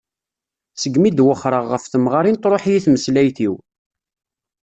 Seg mi i d-wexreɣ ɣef temɣarin truḥ-iyi tmeslayt-iw.